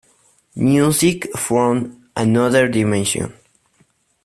Music from Another Dimension!